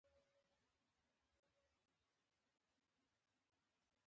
د پوهنې د نظارت مسوول راته وویل.